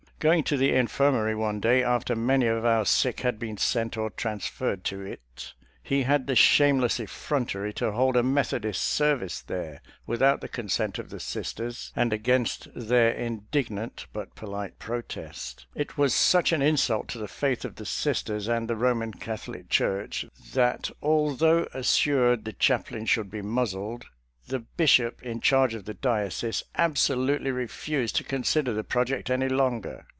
Going to the in firmary one day, after many of our sick had been sent or transferred to it, he had the shameless effrontery to hold a Methodist service there, without the consent of the Sisters and against 50 SOLDIER'S LETTERS TO CHARMING NELLIE their indignant but polite protest. It was such an insult to the faith of the Sisters and the Eoman Catholic Church, that although assured the chaplain should be muzzled, the bishop in charge of the diocese absolutely refused to con sider the project any longer.